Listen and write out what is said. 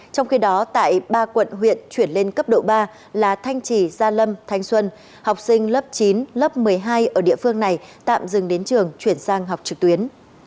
trong khi đó tại ba quận huyện chuyển lên cấp độ ba là thanh trì gia lâm thanh xuân học sinh lớp chín lớp một mươi hai ở địa phương này tạm dừng đến trường chuyển sang học trực tuyến